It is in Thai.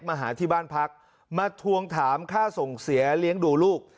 มาหาที่บ้านพักมาทวงถามค่าส่งเสียเลี้ยงดูลูก